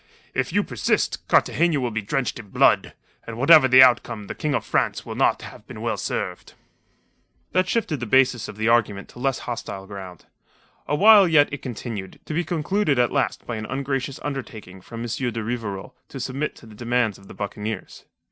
If you persist, Cartagena will be drenched in blood, and whatever the outcome the King of France will not have been well served." That shifted the basis of the argument to less hostile ground. Awhile yet it continued, to be concluded at last by an ungracious undertaking from M. de Rivarol to submit to the demands of the buccaneers.